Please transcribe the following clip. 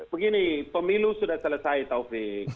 begini pemilu sudah selesai taufik